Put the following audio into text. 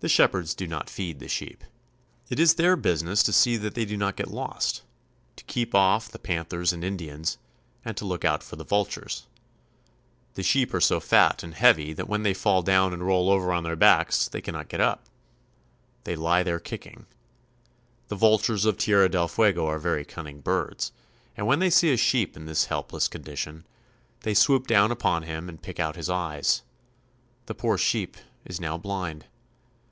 The shepherds do not feed the sheep. It is their busi ness to see that they do not get lost, to keep off the pan thers and Indians, and to look out for the vultures. The sheep are so fat and heavy that when they fall down and roll over on their backs they cannot get up. They lie there kicking. The vultures of Tierra del Fuego are very cun ning birds, and when they see a sheep in this helpless con dition, they swoop down upon him and pick out his eyes. The poor sheep is now blind.